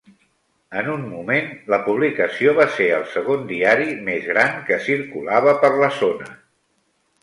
En un moment, la publicació va ser el segon diari més gran que circulava per la zona.